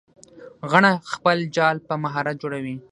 غڼه خپل جال په مهارت جوړوي